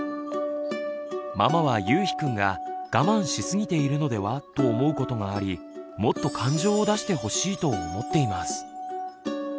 ママはゆうひくんが我慢しすぎているのではと思うことがありもっと感情を出してほしいと思っています。